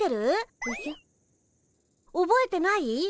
おぼえてない？